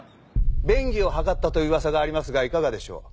便宜を図ったという噂がありますがいかがでしょう？